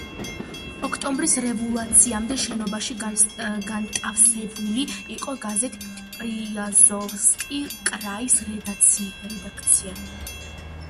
ოქტომბრის რევოლუციამდე შენობაში განტავსებული იყო გაზეთ „პრიაზოვსკი კრაის“ რედაქცია.